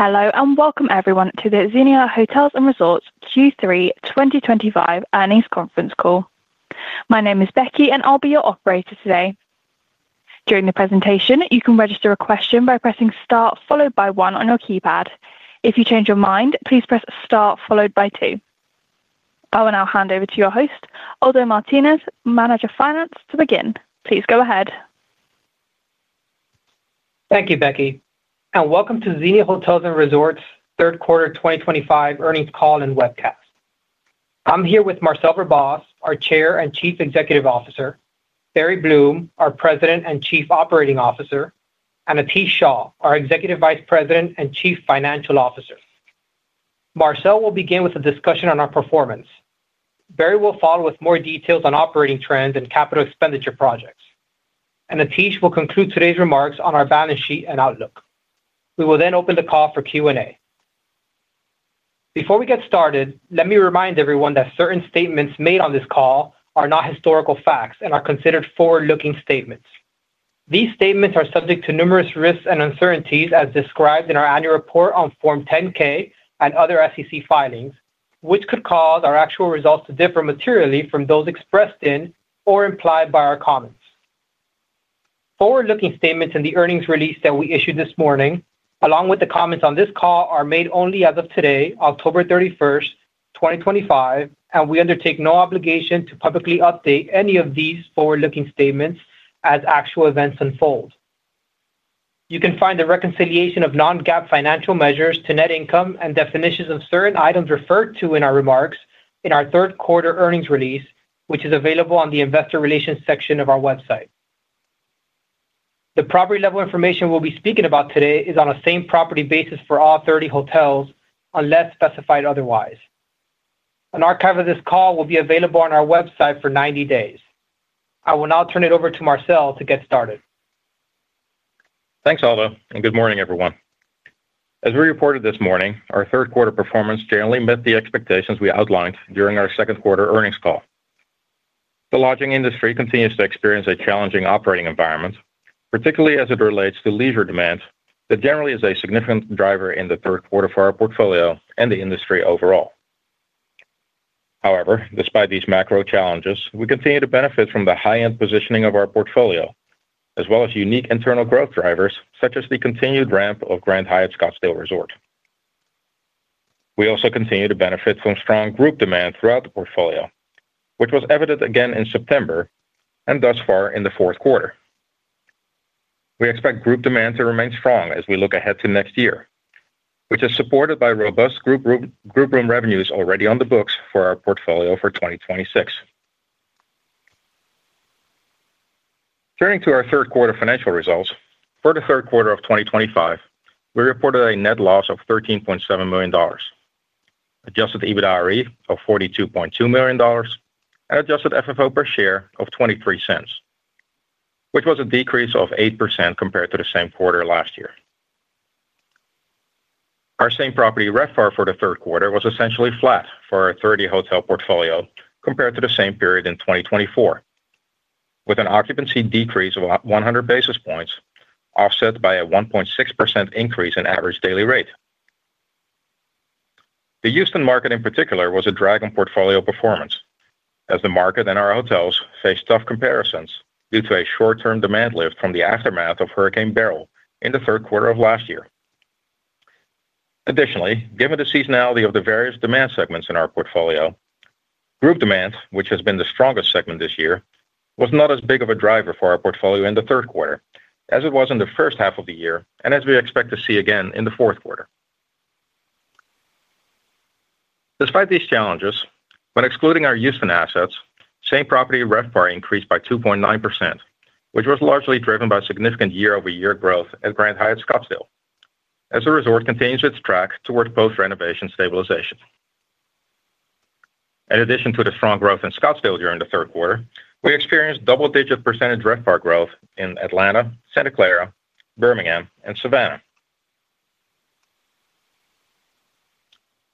Hello and welcome everyone to the Xenia Hotels & Resorts Q3 2025 earnings conference call. My name is Becky and I'll be your operator today. During the presentation, you can register a question by pressing Star followed by One on your keypad. If you change your mind, please press Star followed by Two. I will now hand over to your host, Aldo Martinez, Manager, Finance, to begin. Please go ahead. Thank you, Becky. Welcome to Xenia Hotels & Resorts Q3 2025 earnings call and webcast. I'm here with Marcel Verbaas, our Chair and Chief Executive Officer, Barry Bloom, our President and Chief Operating Officer, and Atish Shah, our Executive Vice President and Chief Financial Officer. Marcel will begin with a discussion on our performance. Barry will follow with more details on operating trends and capital expenditure projects. Atish will conclude today's remarks on our balance sheet and outlook. We will then open the call for Q&A. Before we get started, let me remind everyone that certain statements made on this call are not historical facts and are considered forward-looking statements. These statements are subject to numerous risks and uncertainties, as described in our annual report on Form 10-K and other SEC filings, which could cause our actual results to differ materially from those expressed in or implied by our comments. Forward-looking statements in the earnings release that we issued this morning, along with the comments on this call, are made only as of today, October 31, 2025, and we undertake no obligation to publicly update any of these forward-looking statements as actual events unfold. You can find the reconciliation of non-GAAP financial measures to net income and definitions of certain items referred to in our remarks in our Q3 earnings release, which is available on the Investor Relations section of our website. The property level information we'll be speaking about today is on a same property basis for all 30 hotels, unless specified otherwise. An archive of this call will be available on our website for 90 days. I will now turn it over to Marcel to get started. Thanks, Aldo, and good morning, everyone. As we reported this morning, our third quarter performance generally met the expectations we outlined during our second quarter earnings call. The lodging industry continues to experience a challenging operating environment, particularly as it relates to leisure demand, that generally is a significant driver in the third quarter for our portfolio and the industry overall. However, despite these macro challenges, we continue to benefit from the high-end positioning of our portfolio, as well as unique internal growth drivers such as the continued ramp of Grand Hyatt Scottsdale Resort. We also continue to benefit from strong group demand throughout the portfolio, which was evident again in September and thus far in fourth quarter. We expect group demand to remain strong as we look ahead to next year, which is supported by robust group room revenues already on the books for our portfolio for 2026. Turning to our third quarter financial results, for third quarter 2025, we reported a net loss of $13.7 million, adjusted EBITDAre of $42.2 million, and adjusted FFO per share of $0.23, which was a decrease of 8% compared to the same quarter last year. Our same property RevPAR for third quarter was essentially flat for our 30 hotel portfolio compared to the same period in 2024, with an occupancy decrease of 100 basis points, offset by a 1.6% increase in Average Daily Rate. The Houston market in particular was a drag on portfolio performance, as the market and our hotels faced tough comparisons due to a short-term demand lift from the aftermath of Hurricane Beryl in third quarter last year. Additionally, given the seasonality of the various demand segments in our portfolio, group business, which has been the strongest segment this year, was not as big of a driver for our portfolio in third quarter as it was in the first half of the year and as we expect to see again in fourth quarter. Despite these challenges, when excluding our Houston assets, same property RevPAR increased by 2.9%, which was largely driven by significant year-over-year growth at Grand Hyatt Scottsdale Resort & Spa at Gainey Ranch, as the resort continues its track toward post-renovation stabilization. In addition to the strong growth in Scottsdale during third quarter, we experienced double-digit percentage RevPAR growth in Atlanta, Santa Clara, Birmingham, and Savannah.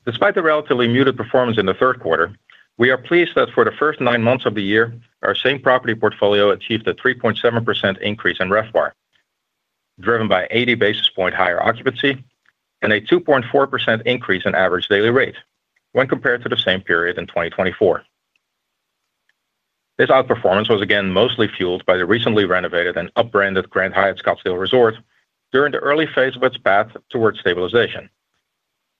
Despite the relatively muted performance in third quarter, we are pleased that for the first 9 months of the year, our same property portfolio achieved a 3.7% increase in RevPAR. Driven by 80 basis point higher occupancy and a 2.4% increase in Average Daily Rate when compared to the same period in 2024. This outperformance was again mostly fueled by the recently renovated and upbranded Grand Hyatt Scottsdale Resort during the early phase of its path toward stabilization,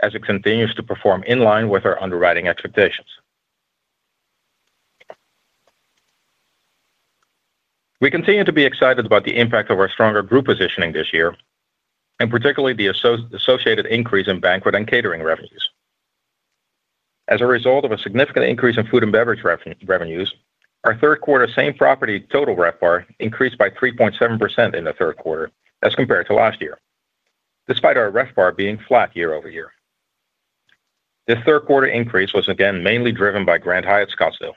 as it continues to perform in line with our underwriting expectations. We continue to be excited about the impact of our stronger group positioning this year, and particularly the associated increase in banquet and catering revenues. As a result of a significant increase in Food and Beverage revenues, our third quarter same property total RevPAR increased by 3.7% in third quarter as compared to last year, despite our RevPAR being flat year-over-year. This third quarter increase was again mainly driven by Grand Hyatt Scottsdale.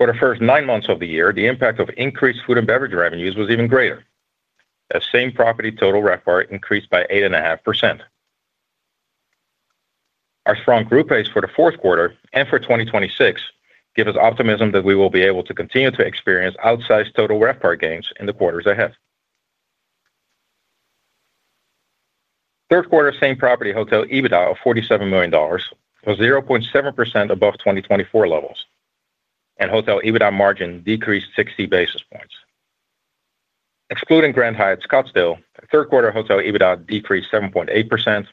For the first 9 months of the year, the impact of increased Food and Beverage revenues was even greater, as same property total RevPAR increased by 8.5%. Our strong group pace for fourth quarter and for 2026 gives us optimism that we will be able to continue to experience outsized total RevPAR gains in the quarters ahead. Third quarter same property hotel EBITDA of $47 million was 0.7% above 2024 levels, and hotel EBITDA margin decreased 60 basis points. Excluding Grand Hyatt Scottsdale, third quarter hotel EBITDA decreased 7.8%,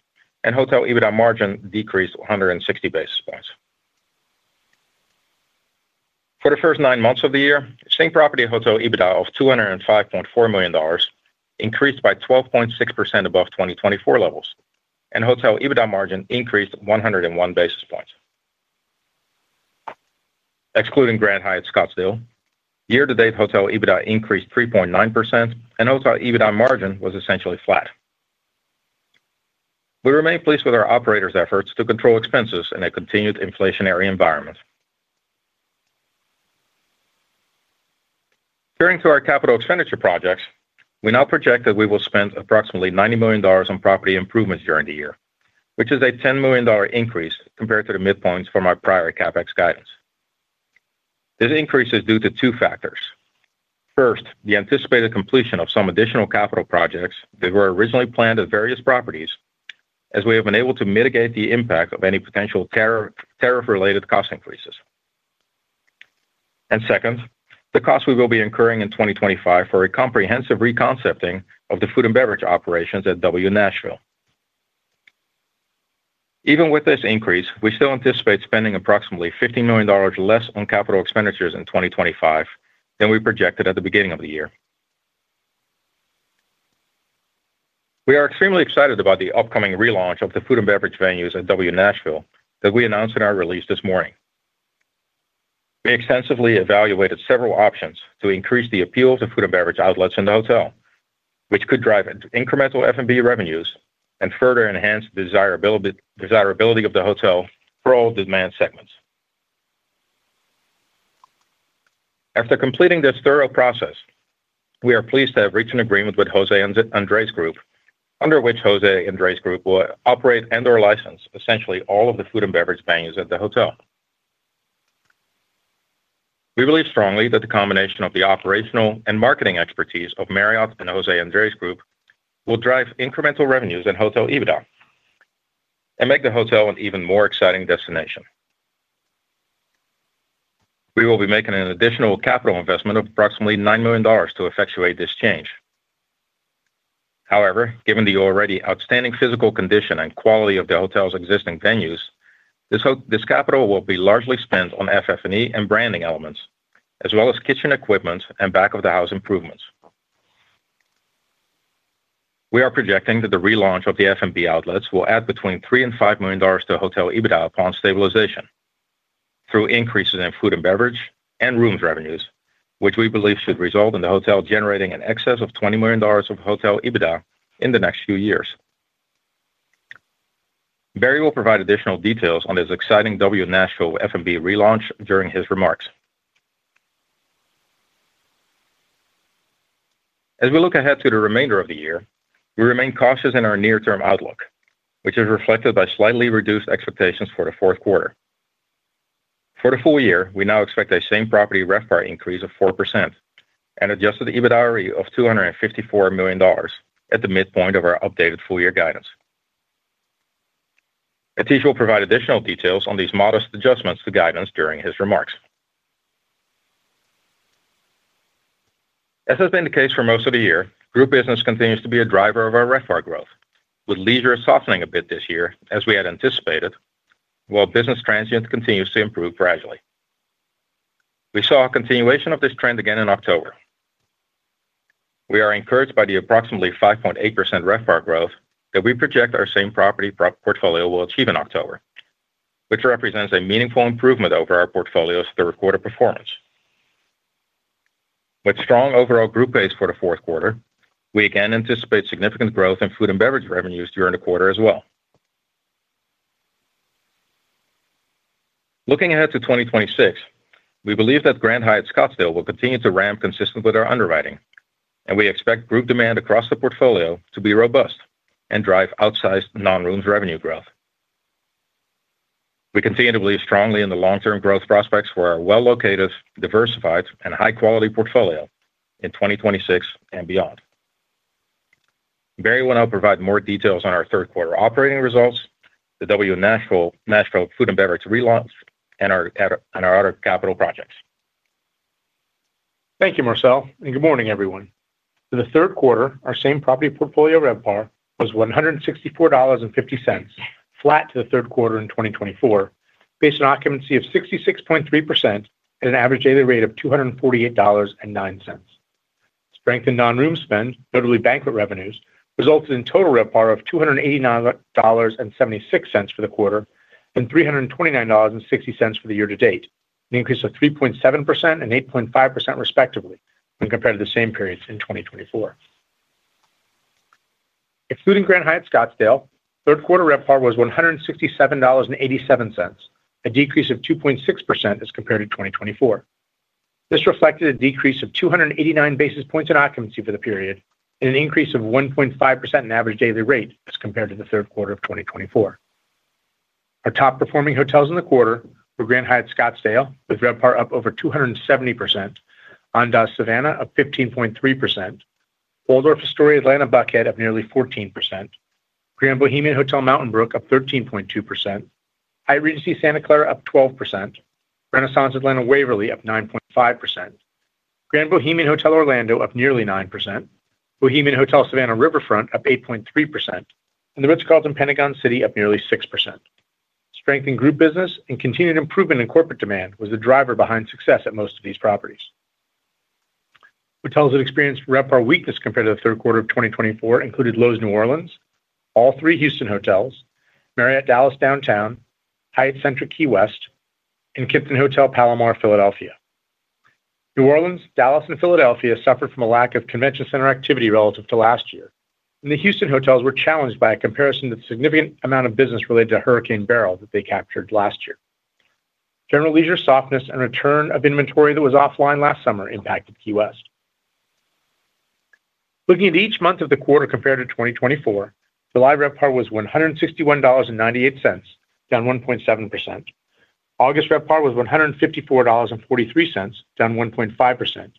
and hotel EBITDA margin decreased 160 basis points. For the first 9 months of the year, same property hotel EBITDA of $205.4 million increased by 12.6% above 2024 levels, and hotel EBITDA margin increased 101 basis points. Excluding Grand Hyatt Scottsdale, year-to-date hotel EBITDA increased 3.9%, and hotel EBITDA margin was essentially flat. We remain pleased with our operators' efforts to control expenses in a continued inflationary environment. Turning to our capital expenditure projects, we now project that we will spend approximately $90 million on property improvements during the year, which is a $10 million increase compared to the midpoint from our prior CapEx guidance. This increase is due to two factors. First, the anticipated completion of some additional capital projects that were originally planned at various properties, as we have been able to mitigate the impact of any potential tariff-related cost increases. Second, the costs we will be incurring in 2025 for a comprehensive reconcepting of the Food and Beverage operations at W Nashville. Even with this increase, we still anticipate spending approximately $15 million less on capital expenditures in 2025 than we projected at the beginning of the year. We are extremely excited about the upcoming relaunch of the Food and Beverage venues at W Nashville that we announced in our release this morning. We extensively evaluated several options to increase the appeal of the Food and Beverage outlets in the hotel, which could drive incremental F&B revenues and further enhance the desirability of the hotel for all demand segments. After completing this thorough process, we are pleased to have reached an agreement with José Andrés Group, under which José Andrés Group will operate and/or license essentially all of the Food and Beverage venues at the hotel. We believe strongly that the combination of the operational and marketing expertise of Marriott and José Andrés Group will drive incremental revenues in hotel EBITDA and make the hotel an even more exciting destination. We will be making an additional capital investment of approximately $9 million to effectuate this change. However, given the already outstanding physical condition and quality of the hotel's existing venues, this capital will be largely spent on FF&E and branding elements, as well as kitchen equipment and back-of-the-house improvements. We are projecting that the relaunch of the F&B outlets will add between $3 million and $5 million to hotel EBITDA upon stabilization through increases in Food and Beverage and rooms revenues, which we believe should result in the hotel generating in excess of $20 million of hotel EBITDA in the next few years. Barry will provide additional details on his exciting W Nashville F&B relaunch during his remarks. As we look ahead to the remainder of the year, we remain cautious in our near-term outlook, which is reflected by slightly reduced expectations for fourth quarter. For the full year, we now expect a same property RevPAR increase of 4% and adjusted EBITDAre of $254 million at the midpoint of our updated full-year guidance. Atish will provide additional details on these modest adjustments to guidance during his remarks. As has been the case for most of the year, group business continues to be a driver of our RevPAR growth, with leisure softening a bit this year, as we had anticipated, while business transient continues to improve gradually. We saw a continuation of this trend again in October. We are encouraged by the approximately 5.8% RevPAR growth that we project our same property portfolio will achieve in October, which represents a meaningful improvement over our portfolio's third quarter performance. With strong overall group pace for fourth quarter, we again anticipate significant growth in Food and Beverage revenues during the quarter as well. Looking ahead to 2026, we believe that Grand Hyatt Scottsdale will continue to ramp consistent with our underwriting, and we expect group demand across the portfolio to be robust and drive outsized non-rooms revenue growth. We continue to believe strongly in the long-term growth prospects for our well-located, diversified, and high-quality portfolio in 2026 and beyond. Barry will now provide more details on our third quarter operating results, the W Nashville Food and Beverage relaunch, and our other capital projects. Thank you, Marcel, and good morning, everyone. For third quarter, our same property portfolio RevPAR was $164.50, flat to third quarter in 2024, based on occupancy of 66.3% and an average daily rate of $248.09. Strength in non-rooms spend, notably banquet revenues, resulted in total RevPAR of $289.76 for the quarter and $329.60 for the year-to-date, an increase of 3.7% and 8.5% respectively when compared to the same periods in 2024. Excluding Grand Hyatt Scottsdale, third quarter RevPAR was $167.87, a decrease of 2.6% as compared to 2024. This reflected a decrease of 289 basis points in occupancy for the period and an increase of 1.5% in average daily rate as compared to third quarter 2024. Our top-performing hotels in the quarter were Grand Hyatt Scottsdale, with RevPAR up over 270%, Andaz Savannah up 15.3%, Waldorf Astoria Atlanta Buckhead up nearly 14%, Grand Bohemian Hotel Mountain Brook up 13.2%, Hyatt Regency Santa Clara up 12%, Renaissance Atlanta Waverly up 9.5%, Grand Bohemian Hotel Orlando up nearly 9%, Bohemian Hotel Savannah Riverfront up 8.3%, and The Ritz-Carlton Pentagon City up nearly 6%. Strength in group business and continued improvement in corporate demand was the driver behind success at most of these properties. Hotels that experienced RevPAR weakness compared to third quarter 2024 included Loews New Orleans, all three Houston hotels, Marriott Dallas Downtown, Hyatt Centric Key West, and Kimpton Hotel Palomar Philadelphia. New Orleans, Dallas, and Philadelphia suffered from a lack of convention center activity relative to last year, and the Houston hotels were challenged by a comparison to the significant amount of business related to Hurricane Beryl that they captured last year. General leisure softness and return of inventory that was offline last summer impacted Key West. Looking at each month of the quarter compared to 2024, July RevPAR was $161.98, down 1.7%. August RevPAR was $154.43, down 1.5%.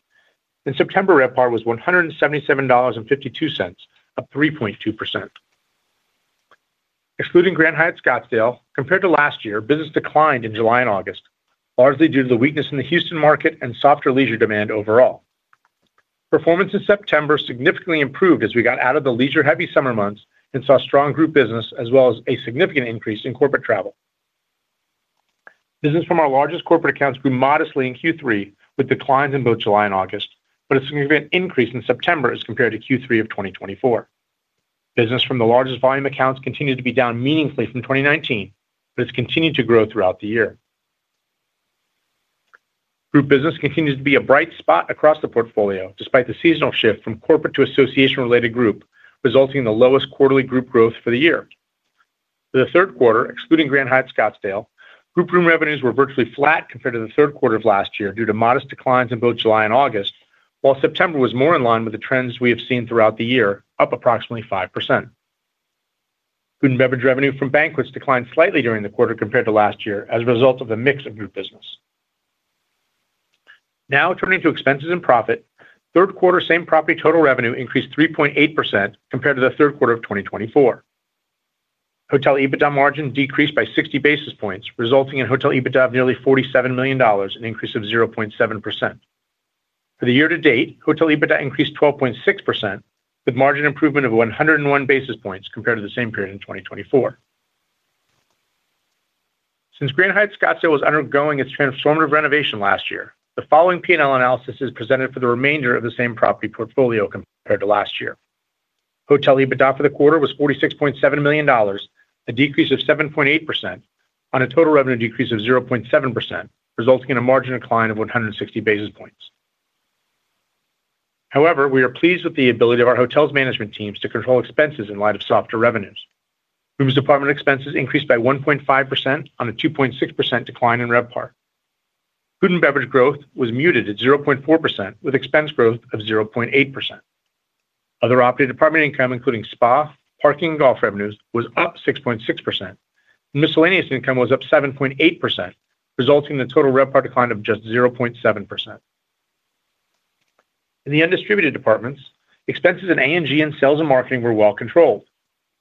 September RevPAR was $177.52, up 3.2%. Excluding Grand Hyatt Scottsdale, compared to last year, business declined in July and August, largely due to the weakness in the Houston market and softer leisure demand overall. Performance in September significantly improved as we got out of the leisure-heavy summer months and saw strong group business as well as a significant increase in corporate travel. Business from our largest corporate accounts grew modestly in Q3 with declines in both July and August, but a significant increase in September as compared to Q3 of 2024. Business from the largest volume accounts continued to be down meaningfully from 2019, but has continued to grow throughout the year. Group business continues to be a bright spot across the portfolio despite the seasonal shift from corporate to association-related group, resulting in the lowest quarterly group growth for the year. For third quarter, excluding Grand Hyatt Scottsdale, group room revenues were virtually flat compared to third quarter of last year due to modest declines in both July and August, while September was more in line with the trends we have seen throughout the year, up approximately 5%. Food and Beverage revenue from banquets declined slightly during the quarter compared to last year as a result of the mix of group business. Now, turning to expenses and profit, third quarter same property total revenue increased 3.8% compared to third quarter of 2024. Hotel EBITDA margin decreased by 60 basis points, resulting in hotel EBITDA of nearly $47 million and an increase of 0.7%. For the year-to-date, hotel EBITDA increased 12.6%, with margin improvement of 101 basis points compared to the same period in 2024. Since Grand Hyatt Scottsdale was undergoing its transformative renovation last year, the following P&L analysis is presented for the remainder of the same property portfolio compared to last year. Hotel EBITDA for the quarter was $46.7 million, a decrease of 7.8%, on a total revenue decrease of 0.7%, resulting in a margin decline of 160 basis points. However, we are pleased with the ability of our hotels' management teams to control expenses in light of softer revenues. Rooms department expenses increased by 1.5% on a 2.6% decline in RevPAR. Food and Beverage growth was muted at 0.4%, with expense growth of 0.8%. Other operating department income, including spa, parking, and golf revenues, was up 6.6%. Miscellaneous income was up 7.8%, resulting in a total RevPAR decline of just 0.7%. In the undistributed departments, expenses in A&G and sales and marketing were well controlled.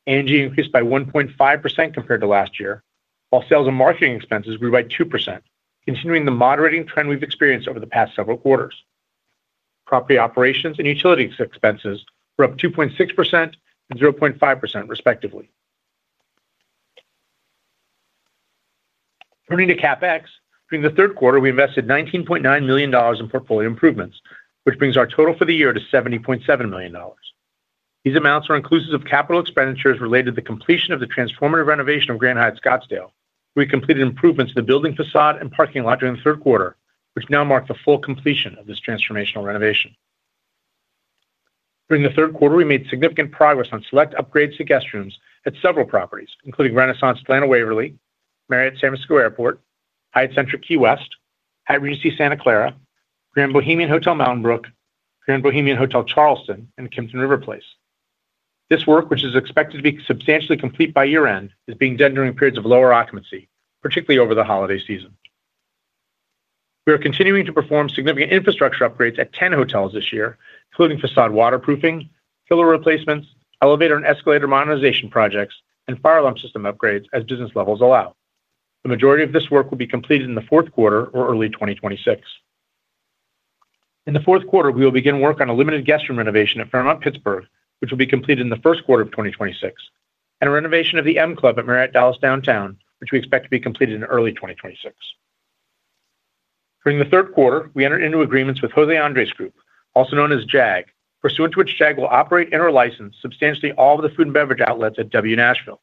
A&G increased by 1.5% compared to last year, while sales and marketing expenses grew by 2%, continuing the moderating trend we've experienced over the past several quarters. Property operations and utilities expenses were up 2.6% and 0.5%, respectively. Turning to CapEx, during Q4, we invested $19.9 million in portfolio improvements, which brings our total for the year to $70.7 million. These amounts are inclusive of capital expenditures related to the completion of the transformative renovation of Grand Hyatt Scottsdale, where we completed improvements to the building facade and parking lot during third quarter, which now mark the full completion of this transformational renovation. During third quarter, we made significant progress on select upgrades to guest rooms at several properties, including Renaissance Atlanta Waverly, Marriott San Francisco Airport, Hyatt Centric Key West, Hyatt Regency Santa Clara, Grand Bohemian Hotel Mountain Brook, Grand Bohemian Hotel Charleston, and Kimpton River Place. This work, which is expected to be substantially complete by year-end, is being done during periods of lower occupancy, particularly over the holiday season. We are continuing to perform significant infrastructure upgrades at 10 hotels this year, including facade waterproofing, pillar replacements, elevator and escalator modernization projects, and fire alarm system upgrades as business levels allow. The majority of this work will be completed in fourth quarter or early 2026. In the fourth quarter, we will begin work on a limited guest room renovation at Fairmont Pittsburgh, which will be completed in first quarter of 2026, and a renovation of the M Club at Marriott Dallas Downtown, which we expect to be completed in early 2026. During third quarter, we entered into agreements with José Andrés Group, also known as JAG, pursuant to which JAG will operate and/or license substantially all of the Food and Beverage outlets at W Nashville.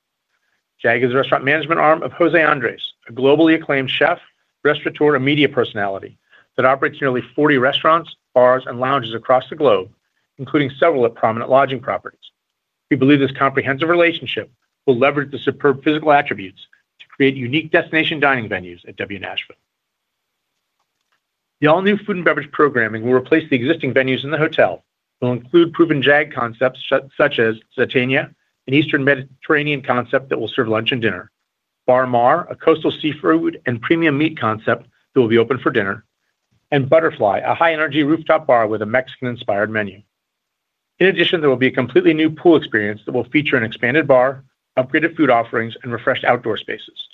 JAG is the restaurant management arm of José Andrés, a globally acclaimed chef, restaurateur, and media personality that operates nearly 40 restaurants, bars, and lounges across the globe, including several at prominent lodging properties. We believe this comprehensive relationship will leverage the superb physical attributes to create unique destination dining venues at W Nashville. The all-new Food and Beverage programming will replace the existing venues in the hotel. It will include proven JAG concepts such as Zaytinya, an Eastern Mediterranean concept that will serve lunch and dinner; Bar Mar, a coastal seafood and premium meat concept that will be open for dinner; and Butterfly, a high-energy rooftop bar with a Mexican-inspired menu. In addition, there will be a completely new pool experience that will feature an expanded bar, upgraded food offerings, and refreshed outdoor spaces.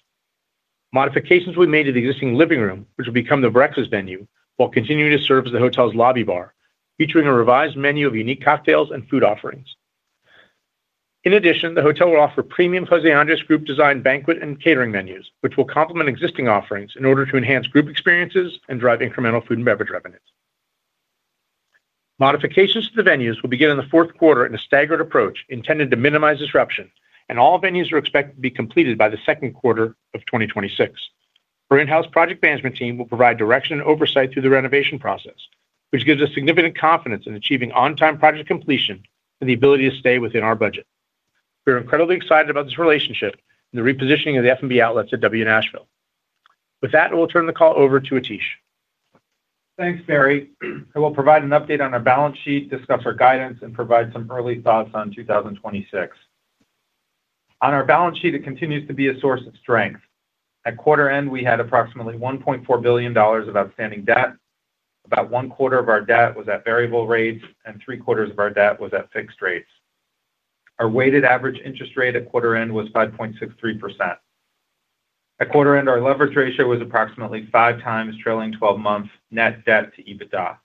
Modifications will be made to the existing living room, which will become the breakfast venue, while continuing to serve as the hotel's lobby bar, featuring a revised menu of unique cocktails and food offerings. In addition, the hotel will offer premium José Andrés Group-designed banquet and catering menus, which will complement existing offerings in order to enhance group experiences and drive incremental Food and Beverage revenues. Modifications to the venues will begin in the fourth quarter in a staggered approach intended to minimize disruption, and all venues are expected to be completed by second quarter of 2026. Our in-house project management team will provide direction and oversight through the renovation process, which gives us significant confidence in achieving on-time project completion and the ability to stay within our budget. We are incredibly excited about this relationship and the repositioning of the F&B outlets at W Nashville. With that, I will turn the call over to Atish. Thanks, Barry. I will provide an update on our balance sheet, discuss our guidance, and provide some early thoughts on 2026. On our balance sheet, it continues to be a source of strength. At quarter end, we had approximately $1.4 billion of outstanding debt. About one quarter of our debt was at variable rates, and three quarters of our debt was at fixed rates. Our weighted average interest rate at quarter end was 5.63%. At quarter end, our leverage ratio was approximately five times trailing 12-month net debt to EBITDA.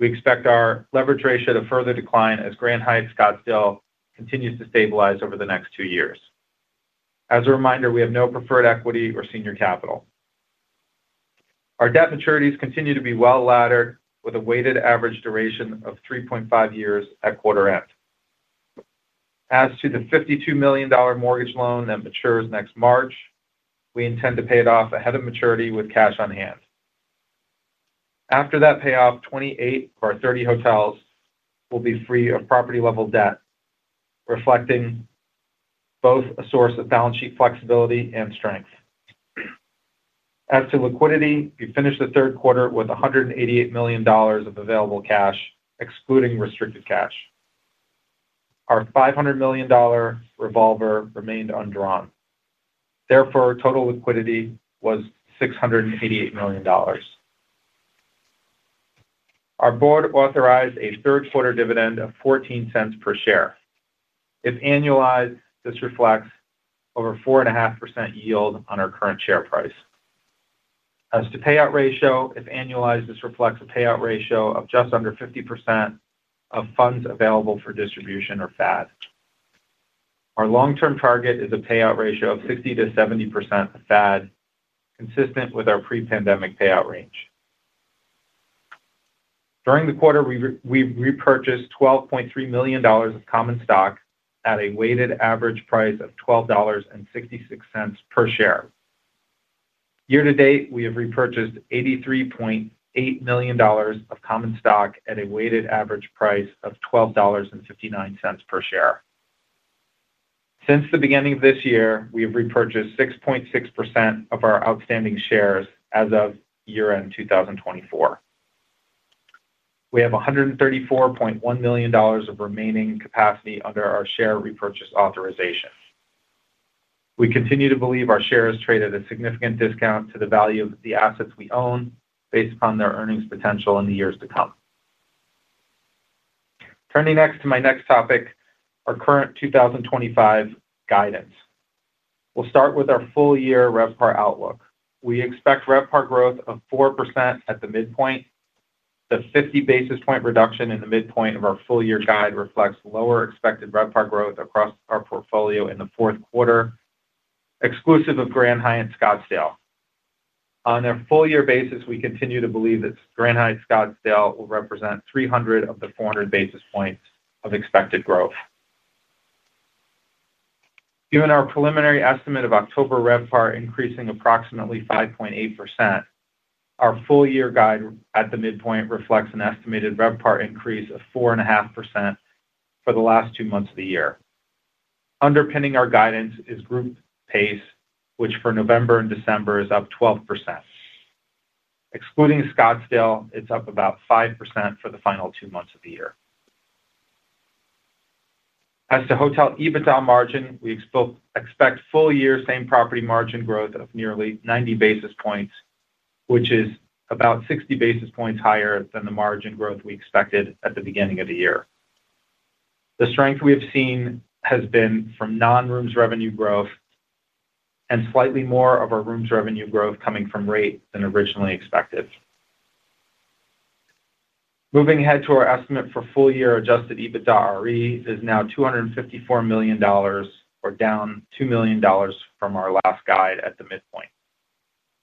We expect our leverage ratio to further decline as Grand Hyatt Scottsdale continues to stabilize over the next two years. As a reminder, we have no preferred equity or senior capital. Our debt maturities continue to be well laddered, with a weighted average duration of 3.5 years at quarter end. As to the $52 million mortgage loan that matures next March, we intend to pay it off ahead of maturity with cash on hand. After that payoff, 28 of our 30 hotels will be free of property-level debt, reflecting both a source of balance sheet flexibility and strength. As to liquidity, we finished third quarter with $188 million of available cash, excluding restricted cash. Our $500 million revolver remained undrawn. Therefore, total liquidity was $688 million. Our board authorized a third quarter dividend of $0.14 per share. If annualized, this reflects over 4.5% yield on our current share price. As to payout ratio, if annualized, this reflects a payout ratio of just under 50% of Funds Available for Distribution or FAD. Our long-term target is a payout ratio of 60% to 70% of FAD, consistent with our pre-pandemic payout range. During the quarter, we repurchased $12.3 million of common stock at a weighted average price of $12.66 per share. Year-to-date, we have repurchased $83.8 million of common stock at a weighted average price of $12.59 per share. Since the beginning of this year, we have repurchased 6.6% of our outstanding shares as of year-end 2024. We have $134.1 million of remaining capacity under our share repurchase authorization. We continue to believe our shares trade at a significant discount to the value of the assets we own, based upon their earnings potential in the years to come. Turning next to my next topic, our current 2025 guidance. We'll start with our full-year RevPAR outlook. We expect RevPAR growth of 4% at the midpoint. The 50 basis point reduction in the midpoint of our full-year guide reflects lower expected RevPAR growth across our portfolio in fourth quarter. Exclusive of Grand Hyatt Scottsdale. On a full-year basis, we continue to believe that Grand Hyatt Scottsdale will represent 300 of the 400 basis points of expected growth. Given our preliminary estimate of October RevPAR increasing approximately 5.8%. Our full-year guide at the midpoint reflects an estimated RevPAR increase of 4.5% for the last two months of the year. Underpinning our guidance is group pace, which for November and December is up 12%. Excluding Scottsdale, it's up about 5% for the final two months of the year. As to hotel EBITDA margin, we expect full-year same property margin growth of nearly 90 basis points, which is about 60 basis points higher than the margin growth we expected at the beginning of the year. The strength we have seen has been from non-rooms revenue growth, and slightly more of our rooms revenue growth coming from rate than originally expected. Moving ahead to our estimate for full-year adjusted EBITDAre is now $254 million, or down $2 million from our last guide at the midpoint.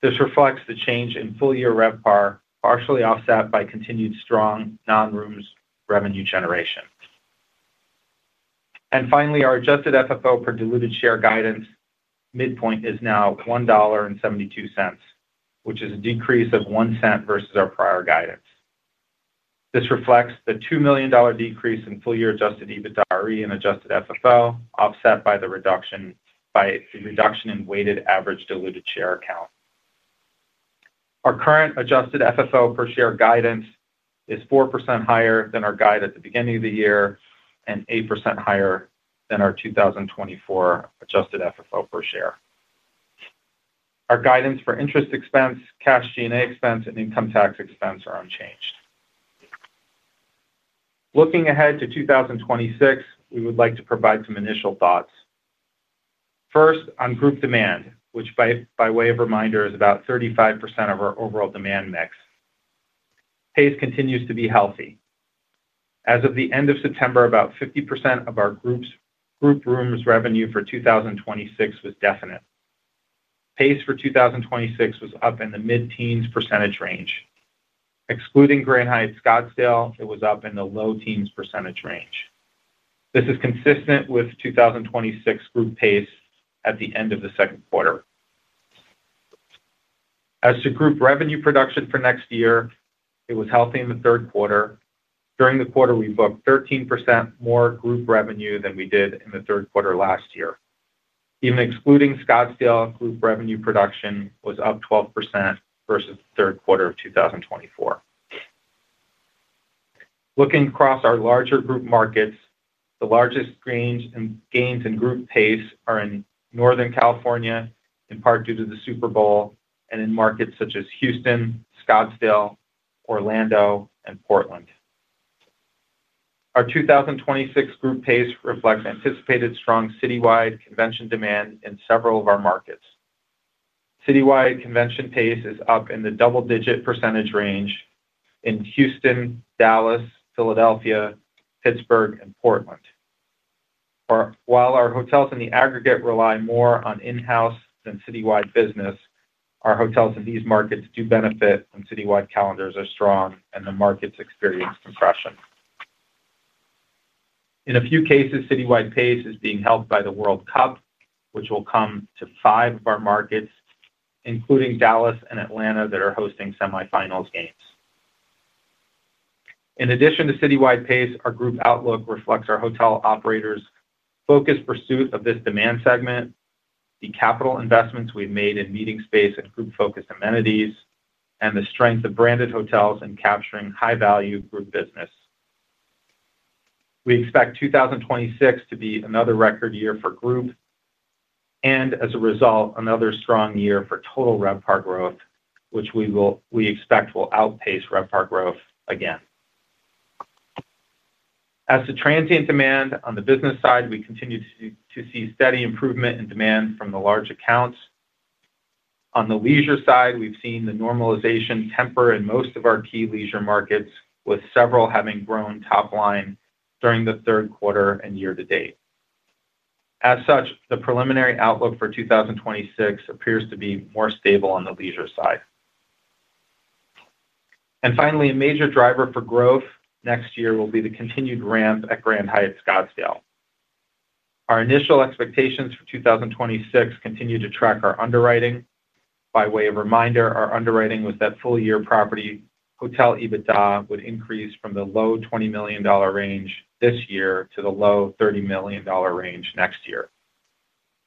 This reflects the change in full-year RevPAR, partially offset by continued strong non-rooms revenue generation. Finally, our adjusted FFO per diluted share guidance midpoint is now $1.72, which is a decrease of $0.01 versus our prior guidance. This reflects the $2 million decrease in full-year adjusted EBITDAre and adjusted FFO, offset by the reduction in weighted average diluted share count. Our current adjusted FFO per share guidance is 4% higher than our guide at the beginning of the year and 8% higher than our 2024 adjusted FFO per share. Our guidance for interest expense, cash G&A expense, and income tax expense are unchanged. Looking ahead to 2026, we would like to provide some initial thoughts. First, on group demand, which by way of reminder is about 35% of our overall demand mix. Pace continues to be healthy. As of the end of September, about 50% of our group rooms revenue for 2026 was definite. Pace for 2026 was up in the mid-teens percentage range. Excluding Grand Hyatt Scottsdale, it was up in the low-teens percentage range. This is consistent with 2026 group pace at the end of the second quarter. As to group revenue production for next year, it was healthy in the third quarter. During the quarter, we booked 13% more group revenue than we did in the third quarter last year. Even excluding Scottsdale, group revenue production was up 12% versus the third quarter of 2024. Looking across our larger group markets, the largest gains. Group pace is in Northern California, in part due to the Super Bowl, and in markets such as Houston, Scottsdale, Orlando, and Portland. Our 2026 group pace reflects anticipated strong citywide convention demand in several of our markets. Citywide convention pace is up in the double-digit percentage range in Houston, Dallas, Philadelphia, Pittsburgh, and Portland. While our hotels in the aggregate rely more on in-house than citywide business, our hotels in these markets do benefit when citywide calendars are strong and the markets experience compression. In a few cases, citywide pace is being helped by the World Cup, which will come to five of our markets, including Dallas and Atlanta that are hosting semifinals games. In addition to citywide pace, our group outlook reflects our hotel operators' focused pursuit of this demand segment, the capital investments we've made in meeting space and group-focused amenities, and the strength of branded hotels in capturing high-value group business. We expect 2026 to be another record year for group. As a result, another strong year for total RevPAR growth, which we expect will outpace RevPAR growth again. As to transient demand, on the business side, we continue to see steady improvement in demand from the large accounts. On the leisure side, we've seen the normalization temper in most of our key leisure markets, with several having grown top line during the third quarter and year-to-date. As such, the preliminary outlook for 2026 appears to be more stable on the leisure side. Finally, a major driver for growth next year will be the continued ramp at Grand Hyatt Scottsdale. Our initial expectations for 2026 continue to track our underwriting. By way of reminder, our underwriting was that full-year property hotel EBITDA would increase from the low $20 million range this year to the low $30 million range next year.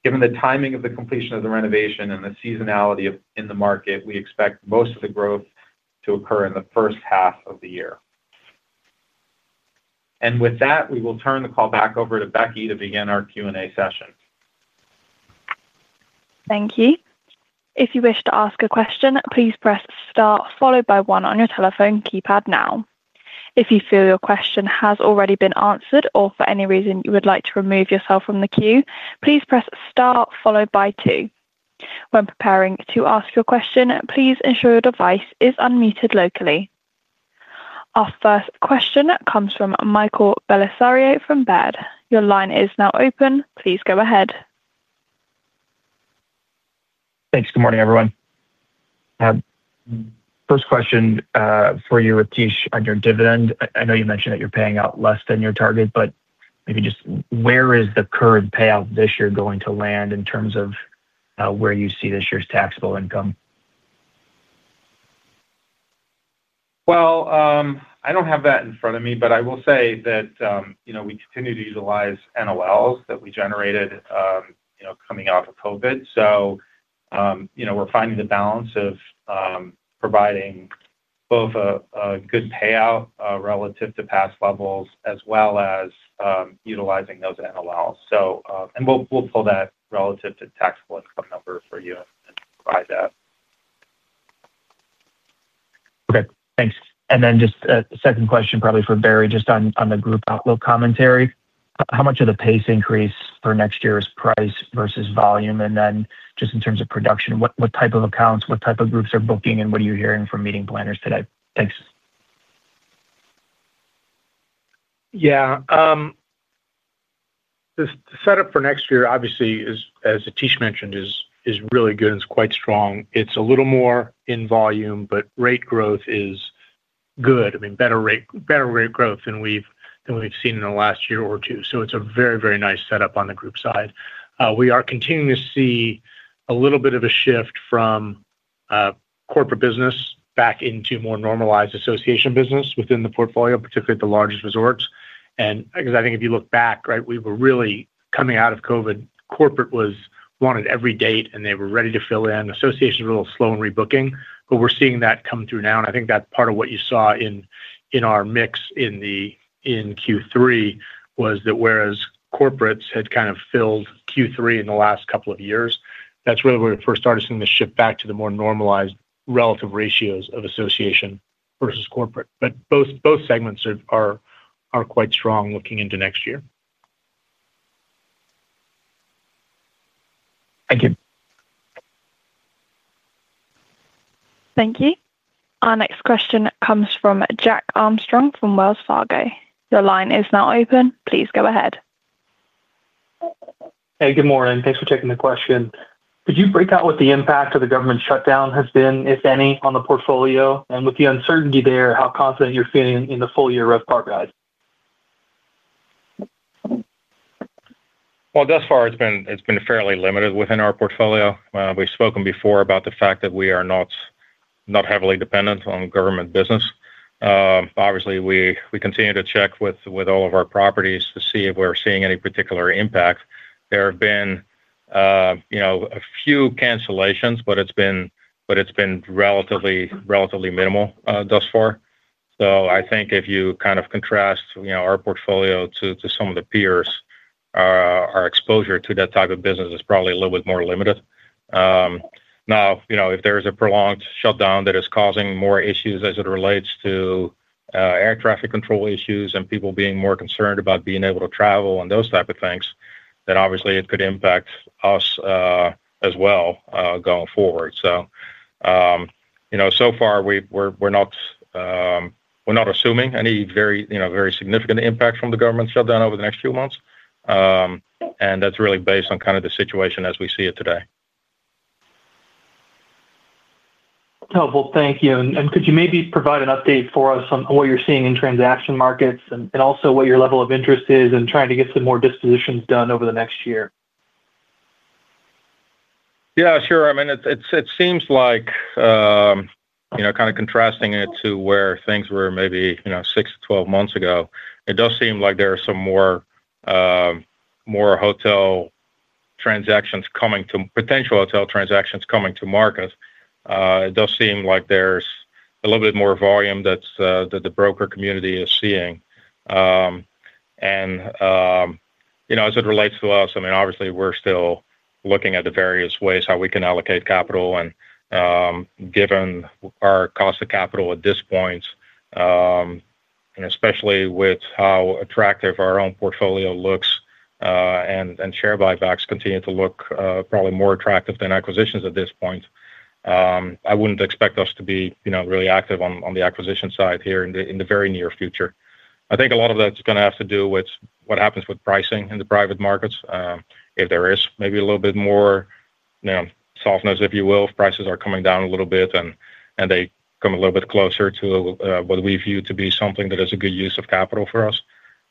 Given the timing of the completion of the renovation and the seasonality in the market, we expect most of the growth to occur in the first half of the year. With that, we will turn the call back over to Becky to begin our Q&A session. Thank you. If you wish to ask a question, please press Star, followed by One on your telephone keypad now. If you feel your question has already been answered or for any reason you would like to remove yourself from the queue, please press Star, followed by Two. When preparing to ask your question, please ensure your device is unmuted locally. Our first question comes from Michael Bellisario from Baird. Your line is now open. Please go ahead. Thanks. Good morning, everyone. First question for you, Atish, on your dividend. I know you mentioned that you're paying out less than your target, but maybe just where is the current payout this year going to land in terms of where you see this year's taxable income? I don't have that in front of me, but I will say that we continue to utilize NOLs that we generated coming out of COVID. We're finding the balance of providing both a good payout relative to past levels as well as utilizing those NOLs. We'll pull that relative to taxable income number for you and provide that. Okay. Thanks. Just a second question, probably for Barry, on the group outlook commentary. How much of the pace increase for next year is price versus volume? In terms of production, what type of accounts, what type of groups are booking, and what are you hearing from meeting planners today? Thanks. Yeah. The setup for next year, obviously, as Atish mentioned, is really good. It's quite strong. It's a little more in volume, but rate growth is good. I mean, better rate growth than we've seen in the last year or two. It's a very, very nice setup on the group side. We are continuing to see a little bit of a shift from corporate business back into more normalized association business within the portfolio, particularly at the largest resorts. If you look back, right, we were really coming out of COVID, corporate wanted every date, and they were ready to fill in. Associations were a little slow in rebooking, but we're seeing that come through now. I think that's part of what you saw in our mix in Q3 was that whereas corporates had kind of filled Q3 in the last couple of years, that's really where we first started seeing the shift back to the more normalized relative ratios of association versus corporate. Both segments are quite strong looking into next year. Thank you. Thank you. Our next question comes from Jack Armstrong from Wells Fargo. Your line is now open. Please go ahead. Hey, good morning. Thanks for taking the question. Could you break out what the impact of the government shutdown has been, if any, on the portfolio, and with the uncertainty there, how confident you're feeling in the full-year RevPAR guide? Thus far, it's been fairly limited within our portfolio. We've spoken before about the fact that we are not heavily dependent on government business. Obviously, we continue to check with all of our properties to see if we're seeing any particular impact. There have been a few cancellations, but it's been relatively minimal thus far. I think if you kind of contrast our portfolio to some of the peers, our exposure to that type of business is probably a little bit more limited. If there is a prolonged shutdown that is causing more issues as it relates to air traffic control issues and people being more concerned about being able to travel and those type of things, then obviously it could impact us as well going forward. So far, we're not assuming any very significant impact from the government shutdown over the next few months. That's really based on kind of the situation as we see it today. Thank you. Could you maybe provide an update for us on what you're seeing in transaction markets and also what your level of interest is in trying to get some more dispositions done over the next year? Yeah, sure. I mean, it seems like, kind of contrasting it to where things were maybe 6 to 12 months ago, it does seem like there are some more hotel transactions coming to, potential hotel transactions coming to market. It does seem like there's a little bit more volume that the broker community is seeing. As it relates to us, I mean, obviously, we're still looking at the various ways how we can allocate capital. Given our cost of capital at this point, and especially with how attractive our own portfolio looks, share buybacks continue to look probably more attractive than acquisitions at this point. I wouldn't expect us to be really active on the acquisition side here in the very near future. I think a lot of that's going to have to do with what happens with pricing in the private markets. If there is maybe a little bit more softness, if you will, if prices are coming down a little bit and they come a little bit closer to what we view to be something that is a good use of capital for us.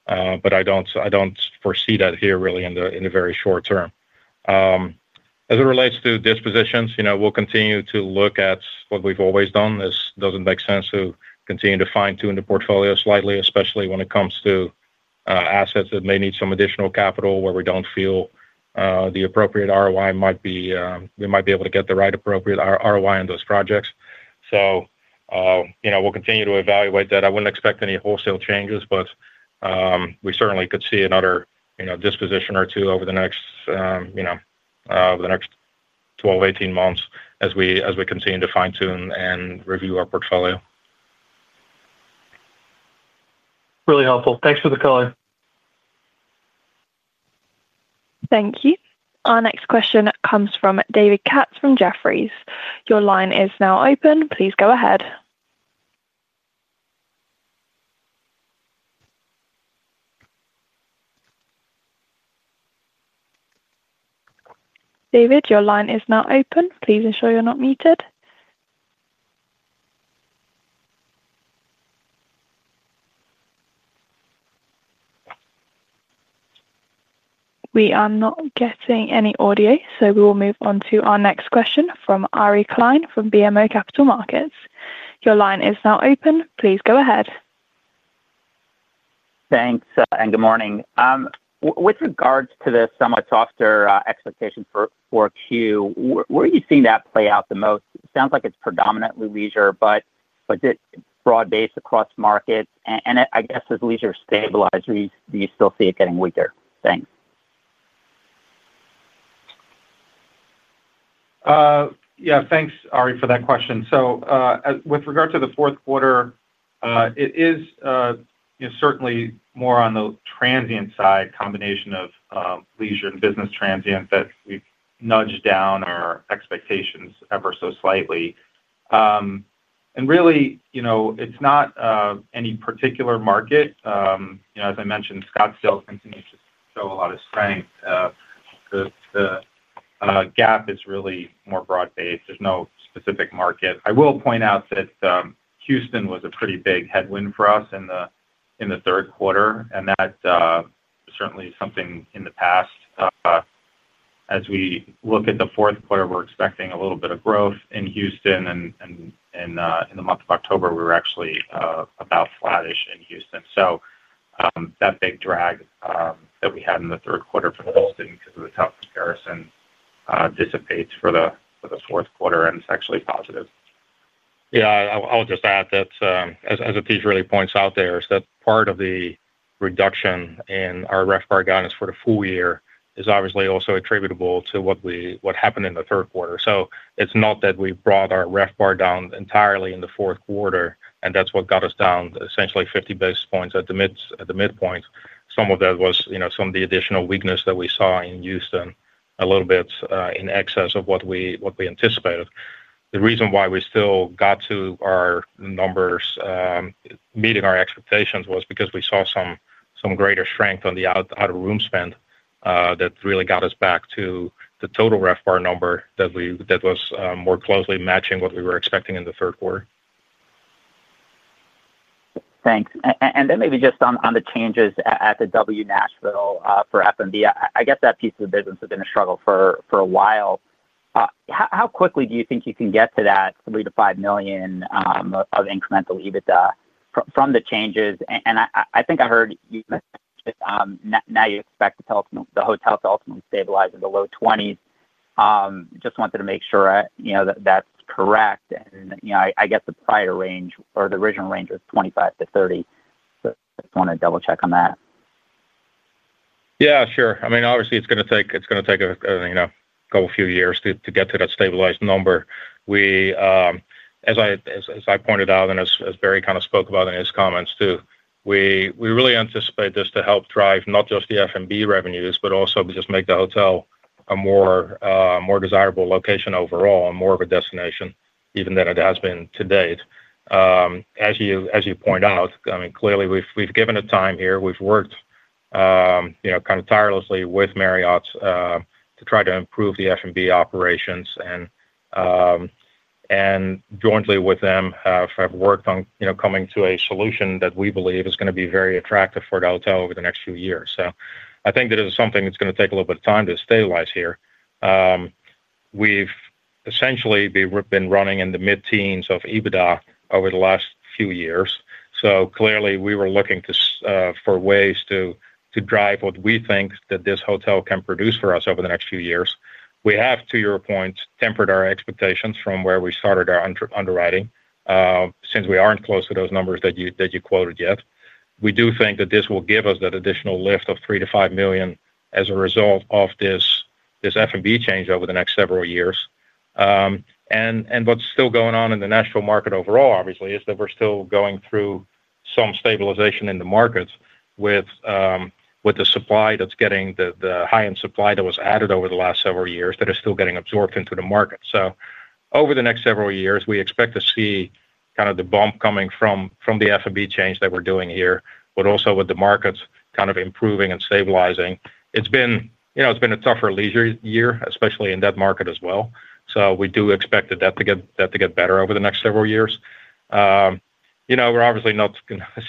I don't foresee that here really in the very short term. As it relates to dispositions, we'll continue to look at what we've always done. It does make sense to continue to fine-tune the portfolio slightly, especially when it comes to assets that may need some additional capital where we don't feel the appropriate ROI might be. We might be able to get the right appropriate ROI on those projects. We'll continue to evaluate that. I wouldn't expect any wholesale changes, but we certainly could see another disposition or two over the next 12, 18 months as we continue to fine-tune and review our portfolio. Really helpful. Thanks for the color. Thank you. Our next question comes from David Katz from Jefferies. Your line is now open. Please go ahead. David, your line is now open. Please ensure you're not muted. We are not getting any audio, so we will move on to our next question from Ari Klein from BMO Capital Markets. Your line is now open. Please go ahead. Thanks. Good morning. With regards to the somewhat softer expectations for Q, where are you seeing that play out the most? It sounds like it's predominantly leisure, but is it broad-based across markets? As leisure stabilizes, do you still see it getting weaker? Thanks. Yeah. Thanks, Ari, for that question. With regard to the fourth quarter, it is certainly more on the transient side, a combination of leisure and business transient, that we've nudged down our expectations ever so slightly. It's not any particular market. As I mentioned, Scottsdale continues to show a lot of strength. The gap is really more broad-based. There's no specific market. I will point out that Houston was a pretty big headwind for us in the third quarter, and that certainly is something in the past. As we look at the fourth quarter, we're expecting a little bit of growth in Houston. In the month of October, we were actually about flattish in Houston. That big drag that we had in the third quarter for Houston because of the tough comparison dissipates for the fourth quarter, and it's actually positive. Yeah. I'll just add that, as Atish really points out there, part of the reduction in our RevPAR guidance for the full year is obviously also attributable to what happened in the third quarter. It's not that we brought our RevPAR down entirely in the fourth quarter, and that's what got us down essentially 50 basis points at the midpoint. Some of that was some of the additional weakness that we saw in Houston, a little bit in excess of what we anticipated. The reason why we still got to our numbers, meeting our expectations, was because we saw some greater strength on the out-of-room spend that really got us back to the total RevPAR number that was more closely matching what we were expecting in the third quarter. Thanks. Maybe just on the changes at the W Nashville for FMV, I guess that piece of the business has been a struggle for a while. How quickly do you think you can get to that $3 to $5 million of incremental EBITDA from the changes? I think I heard you mention now you expect the hotel to ultimately stabilize in the low $20 millions. I just wanted to make sure that that's correct. I guess the prior range or the original range was $25 to $30 million, so I just want to double-check on that. Yeah, sure. I mean, obviously, it's going to take a couple of years to get to that stabilized number. As I pointed out and as Barry kind of spoke about in his comments too, we really anticipate this to help drive not just the F&D revenues, but also just make the hotel a more desirable location overall and more of a destination, even than it has been to date. As you point out, I mean, clearly, we've given it time here. We've worked tirelessly with Marriott to try to improve the F&D operations. Jointly with them, we have worked on coming to a solution that we believe is going to be very attractive for the hotel over the next few years. I think that it is something that's going to take a little bit of time to stabilize here. We've essentially been running in the mid-teens of EBITDA over the last few years. Clearly, we were looking for ways to drive what we think that this hotel can produce for us over the next few years. We have, to your point, tempered our expectations from where we started our underwriting since we aren't close to those numbers that you quoted yet. We do think that this will give us that additional lift of $3 to $5 million as a result of this F&D change over the next several years. What's still going on in the national market overall, obviously, is that we're still going through some stabilization in the markets with the high-end supply that was added over the last several years that is still getting absorbed into the market. Over the next several years, we expect to see the bump coming from the F&D change that we're doing here, but also with the markets improving and stabilizing. It's been a tougher leisure year, especially in that market as well. We do expect that to get better over the next several years. We're obviously not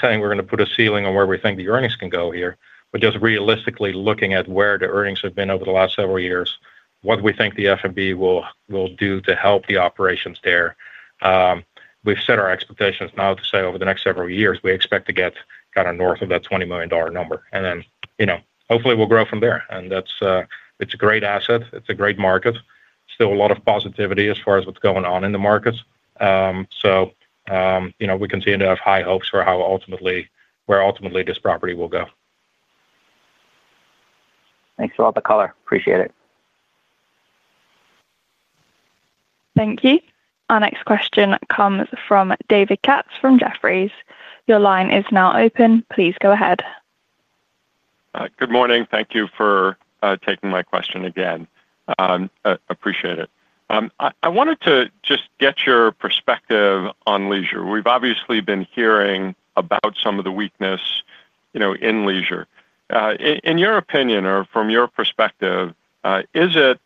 saying we're going to put a ceiling on where we think the earnings can go here, but just realistically looking at where the earnings have been over the last several years, what we think the F&D will do to help the operations there. We've set our expectations now to say over the next several years, we expect to get north of that $20 million number. Hopefully we'll grow from there. It's a great asset. It's a great market. Still a lot of positivity as far as what's going on in the markets. We continue to have high hopes for how ultimately this property will go. Thanks for all the color. Appreciate it. Thank you. Our next question comes from David Katz from Jefferies. Your line is now open. Please go ahead. Good morning. Thank you for taking my question again. Appreciate it. I wanted to just get your perspective on leisure. We've obviously been hearing about some of the weakness in leisure. In your opinion, or from your perspective, is it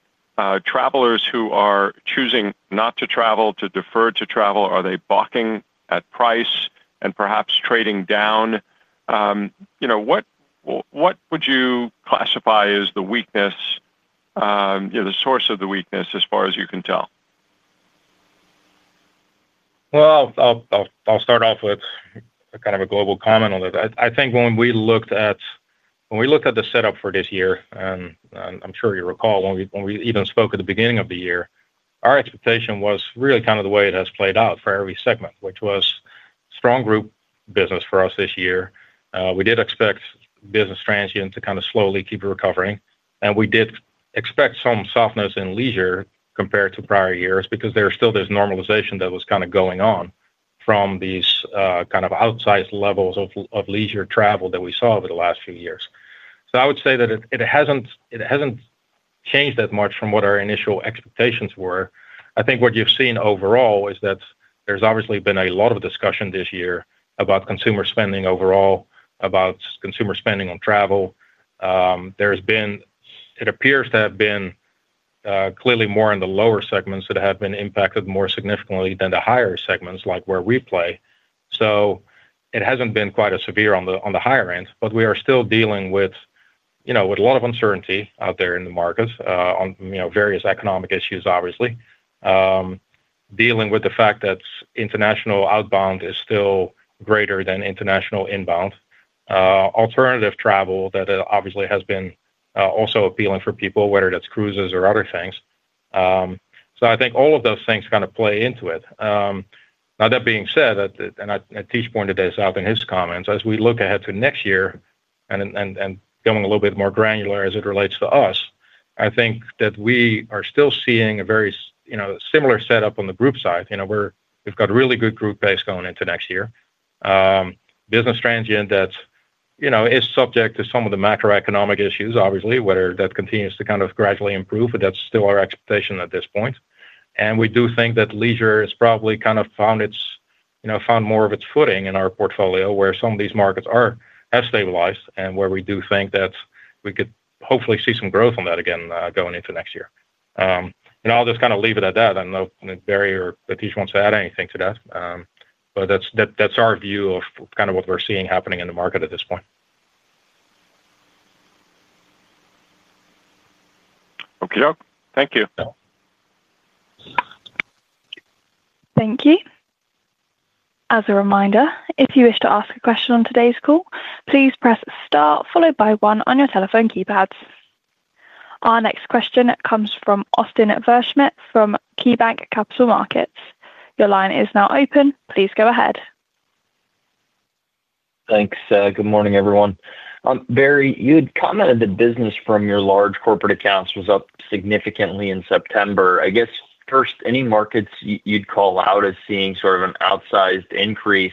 travelers who are choosing not to travel, to defer travel? Are they balking at price and perhaps trading down? What would you classify as the weakness, the source of the weakness as far as you can tell? I’ll start off with kind of a global comment on it. I think when we looked at the setup for this year, and I'm sure you recall when we even spoke at the beginning of the year, our expectation was really kind of the way it has played out for every segment, which was strong group business for us this year. We did expect business transient to kind of slowly keep recovering, and we did expect some softness in leisure compared to prior years because there's still this normalization that was kind of going on from these kind of outsized levels of leisure travel that we saw over the last few years. I would say that it hasn't changed that much from what our initial expectations were. I think what you've seen overall is that there's obviously been a lot of discussion this year about consumer spending overall, about consumer spending on travel. There has been, it appears to have been, clearly more in the lower segments that have been impacted more significantly than the higher segments like where we play. It hasn't been quite as severe on the higher end, but we are still dealing with a lot of uncertainty out there in the markets on various economic issues, obviously dealing with the fact that international outbound is still greater than international inbound. Alternative travel that obviously has been also appealing for people, whether that's cruises or other things. I think all of those things kind of play into it. That being said, and Atish pointed this out in his comments, as we look ahead to next year and going a little bit more granular as it relates to us, I think that we are still seeing a very similar setup on the group side. We've got a really good group base going into next year. Business transient is subject to some of the macroeconomic issues, obviously, whether that continues to kind of gradually improve, but that's still our expectation at this point. We do think that leisure has probably kind of found. More of its footing in our portfolio where some of these markets have stabilized and where we do think that we could hopefully see some growth on that again going into next year. I'll just kind of leave it at that. I don't know if Barry or Atish wants to add anything to that. That's our view of kind of what we're seeing happening in the market at this point. Okie doke. Thank you. Thank you. As a reminder, if you wish to ask a question on today's call, please press star followed by one on your telephone keypads. Our next question comes from Austin Wurschmidt from KeyBanc Capital Markets. Your line is now open. Please go ahead. Thanks. Good morning, everyone. Barry, you had commented that business from your large corporate accounts was up significantly in September. I guess, first, any markets you'd call out as seeing sort of an outsized increase?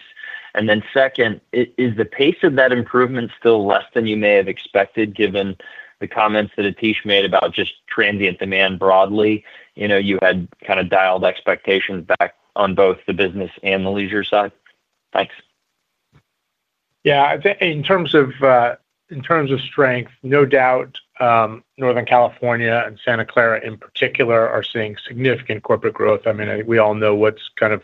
Second, is the pace of that improvement still less than you may have expected given the comments that Atish made about just transient demand broadly? You had kind of dialed expectations back on both the business and the leisure side. Thanks. Yeah. In terms of strength, no doubt Northern California and Santa Clara in particular are seeing significant corporate growth. I mean, we all know what's kind of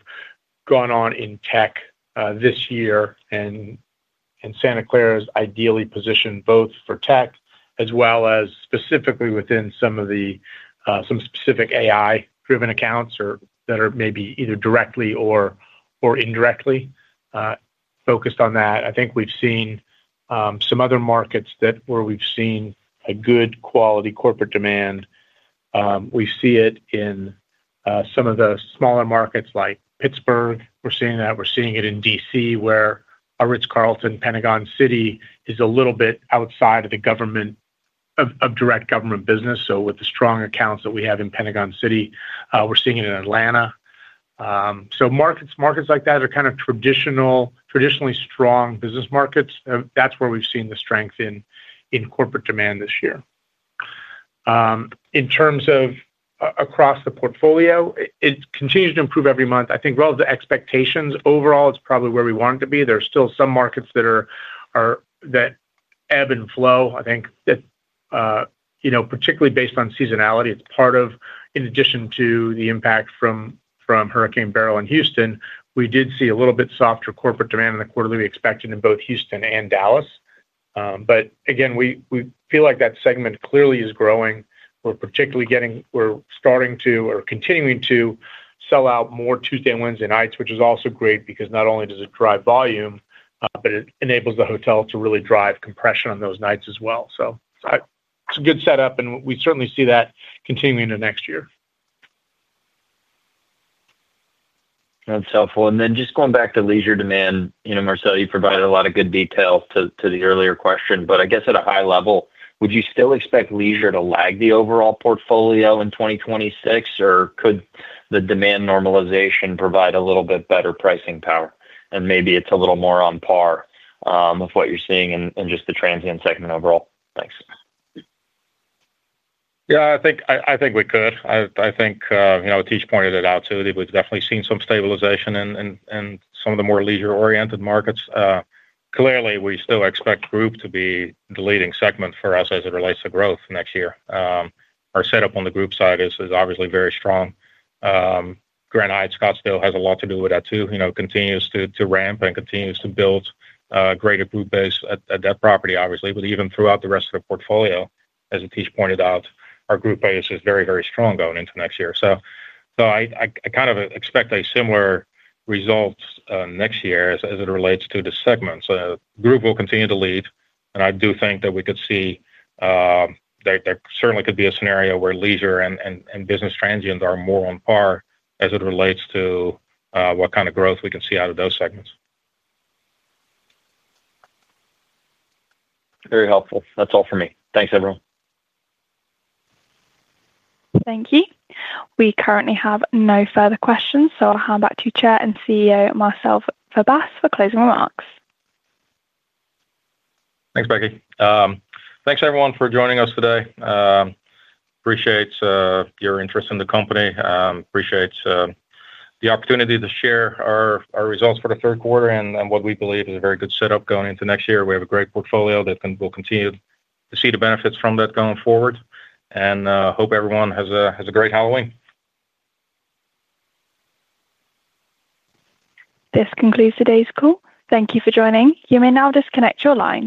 gone on in tech this year. Santa Clara is ideally positioned both for tech as well as specifically within some specific AI-driven accounts that are maybe either directly or indirectly focused on that. I think we've seen some other markets where we've seen a good quality corporate demand. We see it in some of the smaller markets like Pittsburgh. We're seeing that. We're seeing it in D.C., where our Ritz-Carlton Pentagon City is a little bit outside of the direct government business. With the strong accounts that we have in Pentagon City, we're seeing it in Atlanta. Markets like that are kind of traditionally strong business markets. That's where we've seen the strength in corporate demand this year. In terms of across the portfolio, it continues to improve every month. I think relative to expectations, overall, it's probably where we want it to be. There are still some markets that ebb and flow. I think that particularly based on seasonality, it's part of, in addition to the impact from Hurricane Beryl in Houston, we did see a little bit softer corporate demand in the quarter that we expected in both Houston and Dallas. Again, we feel like that segment clearly is growing. We're particularly getting, we're starting to or continuing to sell out more Tuesday and Wednesday nights, which is also great because not only does it drive volume, but it enables the hotel to really drive compression on those nights as well. It's a good setup, and we certainly see that continuing into next year. That's helpful. Just going back to leisure demand, Marcel, you provided a lot of good detail to the earlier question. I guess at a high level, would you still expect leisure to lag the overall portfolio in 2026, or could the demand normalization provide a little bit better pricing power? Maybe it's a little more on par with what you're seeing in just the transient segment overall. Thanks. Yeah, I think we could. I think Atish pointed it out too. We've definitely seen some stabilization in some of the more leisure-oriented markets. Clearly, we still expect group to be the leading segment for us as it relates to growth next year. Our setup on the group side is obviously very strong. Grand Hyatt Scottsdale has a lot to do with that too, continues to ramp and continues to build a greater group base at that property, obviously. Even throughout the rest of the portfolio, as Atish pointed out, our group base is very, very strong going into next year. I kind of expect a similar result next year as it relates to the segments. Group will continue to lead. I do think that we could see there certainly could be a scenario where leisure and business transient are more on par as it relates to what kind of growth we can see out of those segments. Very helpful. That's all for me. Thanks, everyone. Thank you. We currently have no further questions, so I'll hand back to Chair and CEO Marcel Verbaas for closing remarks. Thanks, Becky. Thanks, everyone, for joining us today. Appreciate your interest in the company. Appreciate the opportunity to share our results for the third quarter and what we believe is a very good setup going into next year. We have a great portfolio that will continue to see the benefits from that going forward. I hope everyone has a great Halloween. This concludes today's call. Thank you for joining. You may now disconnect your line.